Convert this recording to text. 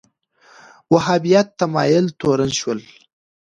وهابیت تمایل تورن شول